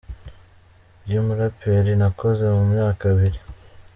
Y’umuraperi Nakoze, mu myaka ibiri.